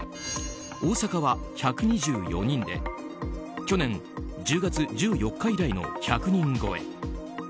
大阪は１２４人で去年１０月１４日以来の１００人超え。